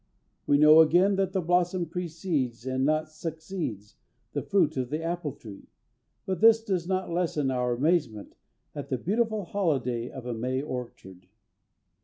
We know, again, that the blossom precedes and not succeeds the fruit of the apple tree, but this does not lessen our amazement at the beautiful holiday of a May orchard.